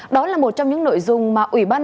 đó là một trong những nội dung mà ubnd